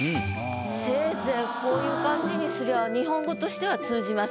せいぜいこういう感じにすりゃ日本語としては通じます。